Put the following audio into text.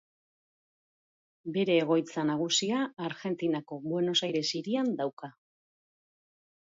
Bere egoitza nagusia Argentinako Buenos Aires hirian dauka.